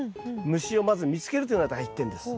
虫をまず見つけるというのが第一点です。